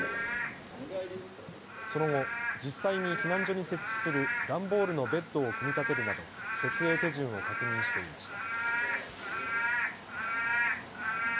その後、実際に避難所に設置する段ボールのベッドを組み立てるなど設営手順を確認していました。